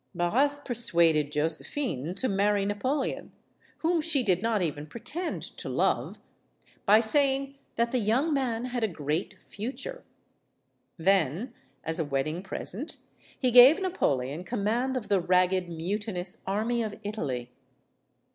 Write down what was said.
Barras persuaded Josephine to marry Napoleon whom she did not even pretend to love by saying that the young man had a great future. Then, as a wedding present, he gave Napoleon command of the ragged, mutinous Army of Italy.